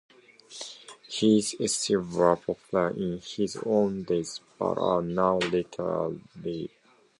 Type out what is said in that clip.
His Essays were popular in his own day but are now little read.